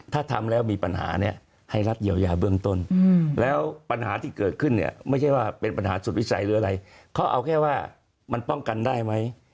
ถ้าทำแล้วมีปัญหาเนี่ยให้รัฐเยียวยาเบื้องต้นแล้วปัญหาที่เกิดขึ้นเนี่ยไม่ใช่ว่าเป็นปัญหาสุดวิสัยหรืออะไรเขาเอาแค่ว่ามันป้องกันได้ไหม